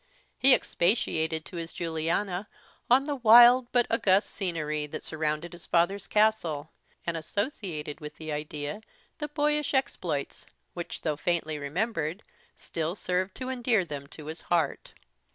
He expatiated to his Juliana on the wild but august scenery that surrounded his father's castle, and associated with the idea the boyish exploits, which though faintly remembered, still served to endear them to his heart.